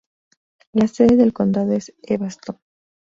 La sede del condado es Evanston.